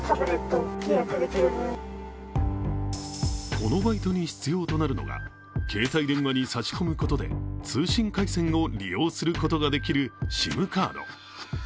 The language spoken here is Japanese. このバイトに必要となるのが携帯電話に差し込むことで通信回線を利用することができるＳＩＭカード。